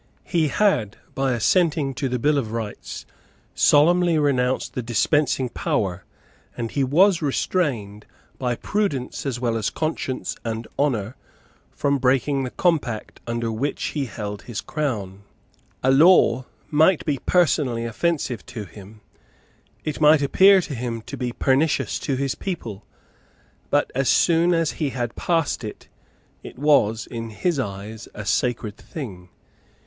He had, by assenting to the Bill of Rights, solemnly renounced the dispensing power; and he was restrained, by prudence as well as by conscience and honour, from breaking the compact under which he held his crown. A law might be personally offensive to him; it might appear to him to be pernicious to his people; but, as soon as he had passed it, it was, in his eyes, a sacred thing.